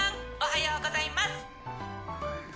おはようございます！